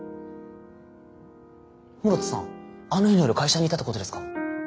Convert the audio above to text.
室田さんあの日の夜会社にいたってことですか？